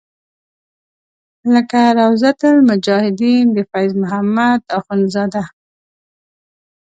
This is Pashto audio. لکه روضة المجاهدین د فیض محمد اخونزاده.